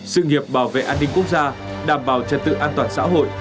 sự nghiệp bảo vệ an ninh quốc gia đảm bảo trật tự an toàn xã hội